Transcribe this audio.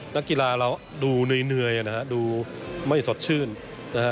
นักกีฬาเราดูเหนื่อยนะฮะดูไม่สดชื่นนะฮะ